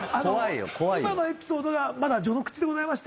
今のエピソードはまだ序の口でして。